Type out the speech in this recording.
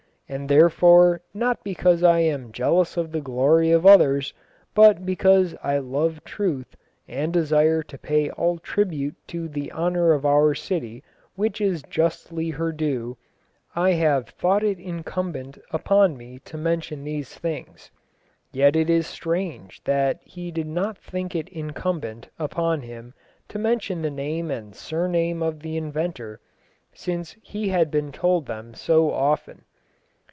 And therefore, not because I am jealous of the glory of others, but because I love truth, and desire to pay all tribute to the honour of our city which is justly her due, I have thought it incumbent upon me to mention these things." Yet it is strange that he did not think it incumbent upon him to mention the name and surname of the inventor, since he had been told them so often.